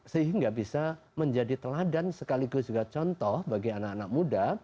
sehingga bisa menjadi teladan sekaligus juga contoh bagi anak anak muda